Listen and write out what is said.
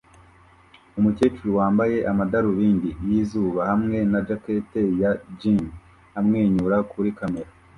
Umukecuru wambaye amadarubindi yizuba hamwe na jacket ya jean amwenyura kuri kamera